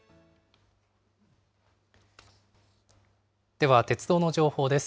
では鉄道の情報です。